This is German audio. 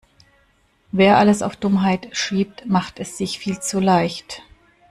Wer alles auf Dummheit schiebt, macht es sich viel zu leicht.